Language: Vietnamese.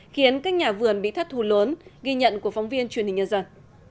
khiến các nhà vườn bị thất thù lớn ghi nhận của phóng viên truyền hình nhân dân